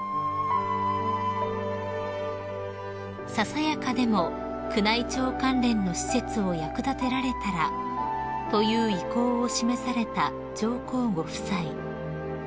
［「ささやかでも宮内庁関連の施設を役立てられたら」という意向を示された上皇ご夫妻］